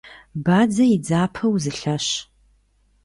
Бадзэ и дзапэ узылъэщ.